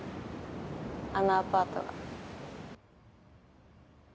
あのアパートが。